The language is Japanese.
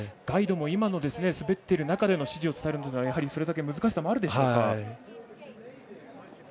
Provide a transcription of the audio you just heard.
ガイドも今の滑っている中で指示を伝えるのもやはりそれだけ難しさもあるでしょう。